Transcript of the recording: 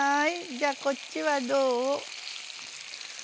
じゃあこっちはどう？